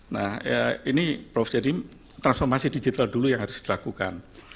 nah ini prof jadi transformasi digital dulu yang harus dilakukan